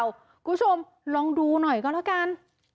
คุณผู้ชมลองดูหน่อยก็แล้วกัน